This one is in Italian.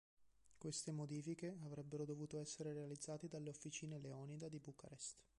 Queste modifiche avrebbero dovuto essere realizzate dalle officine Leonida di Bucarest.